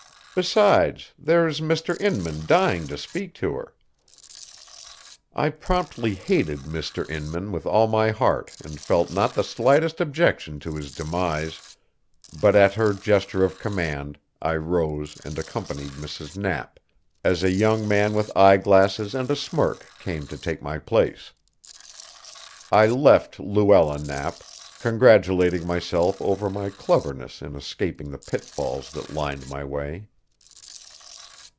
Besides, there's Mr. Inman dying to speak to her." I promptly hated Mr. Inman with all my heart and felt not the slightest objection to his demise; but at her gesture of command I rose and accompanied Mrs. Knapp, as a young man with eye glasses and a smirk came to take my place. I left Luella Knapp, congratulating myself over my cleverness in escaping the pitfalls that lined my way.